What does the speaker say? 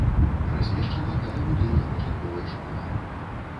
Размешчана каля будынка пачатковай школы.